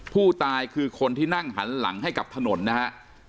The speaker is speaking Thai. ผู้ตายคือคนที่นั่งหันหลังให้กับถนนนะฮะ